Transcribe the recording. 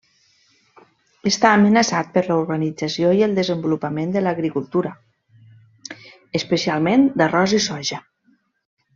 Està amenaçat per la urbanització i el desenvolupament de l'agricultura, especialment d'arròs i soja.